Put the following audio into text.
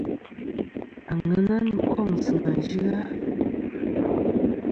Àŋena nɨn kôŋ sɨ nà yɨ-a.